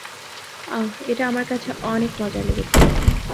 আহ, এটা আমার কাছে অনেক মজার লেগেছে।